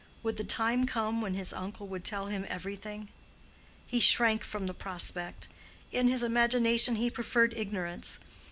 Would the time come when his uncle would tell him everything? He shrank from the prospect: in his imagination he preferred ignorance.